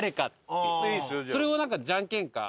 それをなんかじゃんけんか。